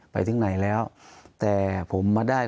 ไปถึงไหนแล้วแต่ผมมาได้